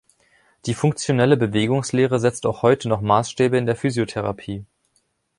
Die Funktionelle Bewegungslehre setzt auch heute noch Maßstäbe in der Physiotherapie.